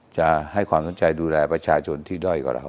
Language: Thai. จะให้ความสนใจดูแลประชาชนที่ด้อยกว่าเรา